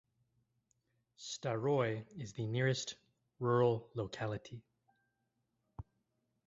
Staroye is the nearest rural locality.